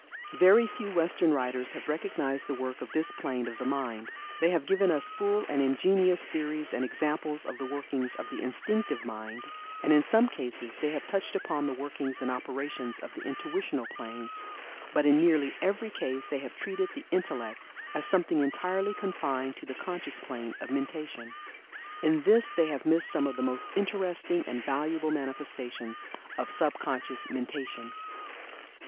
Very few Western writers have recognized the work of this plane of the mind. They have given us full and ingenious theories and examples of the workings of the Instinctive Mind, and in some cases they have touched upon the workings and operations of the Intuitional planes, but in nearly every case they have treated the Intellect as something entirely confined to the Conscious plane of mentation. In this they have missed some of the most interesting and valuable manifestations of sub conscious mentation.